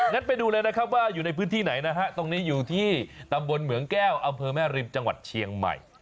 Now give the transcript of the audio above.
ไปดูเลยนะครับว่าอยู่ในพื้นที่ไหนนะฮะตรงนี้อยู่ที่ตำบลเหมืองแก้วอำเภอแม่ริมจังหวัดเชียงใหม่